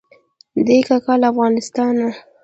دی کاکا له افغانستانه.